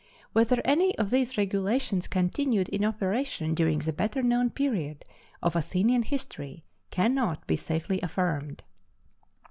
Whether any of these regulations continued in operation during the better known period of Athenian history cannot be safely affirmed.